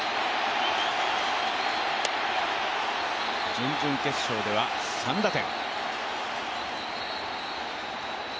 準々決勝では３打点。